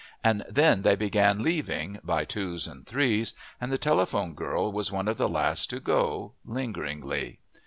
And then they began leaving, by twos and threes, and the telephone girl was one of the last to go, lingeringly.